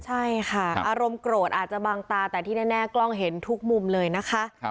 ใช่ค่ะอารมณ์โกรธอาจจะบางตาแต่ที่แน่กล้องเห็นทุกมุมเลยนะคะ